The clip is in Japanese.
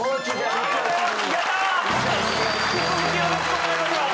ありがとうございます。